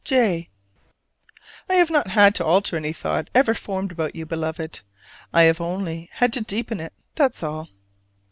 J. I have not had to alter any thought ever formed about you, Beloved; I have only had to deepen it that is all.